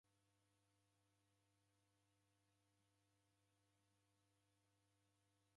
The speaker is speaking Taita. Modenisigha mkaghesha nimmbesera.